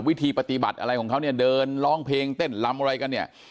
วิธีปฏิบัติอะไรของเขาเนี่ยเดินร้องเพลงเต้นลำอะไรกันเนี่ย